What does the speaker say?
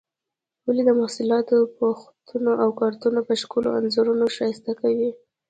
ولې د محصولاتو پوښونه او کارتنونه په ښکلو انځورونو ښایسته کوي؟